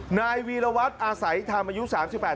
หลานวิรวัตรอาศรัยทำอายุ๓๘